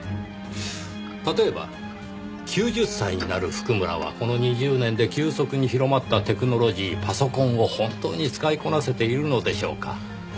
例えば９０歳になる譜久村はこの２０年で急速に広まったテクノロジーパソコンを本当に使いこなせているのでしょうか？